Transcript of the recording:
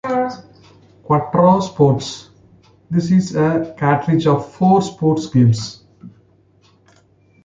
"Quattro Sports": This is a cartridge of four sports games.